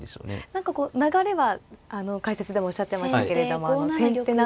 何かこう流れは解説でもおっしゃってましたけれども先手なのかなと。